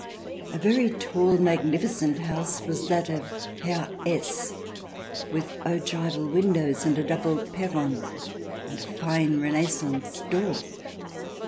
A very tall magnificent house was that of Herr S , with ogival windows and a double perron, and a fine Renaissance door.